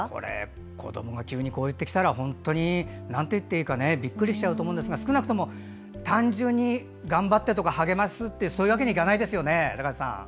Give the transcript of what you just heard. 子どもが急に言ってきたらなんて言っていいかびっくりすると思いますが少なくとも単純に、頑張ってとか励ますというわけにはいかないですよね。